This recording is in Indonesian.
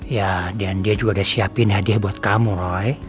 ya dan dia juga udah siapin hadiah buat kamu roy